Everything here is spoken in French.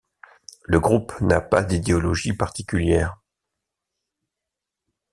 Le groupe n'a pas d'idéologie particulière.